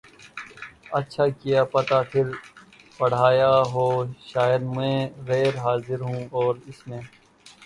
اچھا کیا پتا پھر پڑھایا ہو شاید میں غیر حاضر ہوں اس میں